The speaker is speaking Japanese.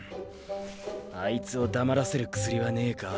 あいつを黙らせる薬はねえか？